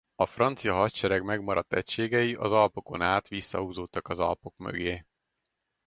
A francia hadsereg megmaradt egységei az Alpokon át visszahúzódtak az Alpok mögé.